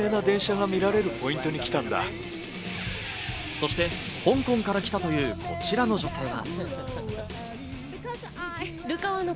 そして香港から来たという、こちらの女性は。